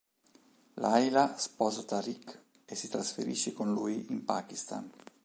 Laila sposa Tariq e si trasferisce con lui in Pakistan.